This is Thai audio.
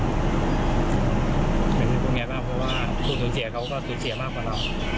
เป็นไงบ้างเพราะว่าผู้สูญเสียเขาก็สูญเสียมากกว่าเรา